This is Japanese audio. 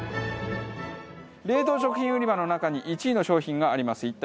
冷凍食品売り場の中に１位の商品があります。